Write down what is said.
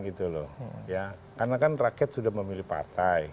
karena kan rakyat sudah memilih partai